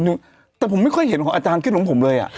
แต่ผมอาจารย์ไม่ค่อยเห็นของอาจารย์พี่หนึ่งผมเลยอ่ะ